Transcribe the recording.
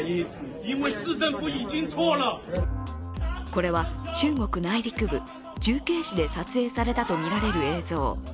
これは中国内陸部・重慶市で撮影されたとみられる映像。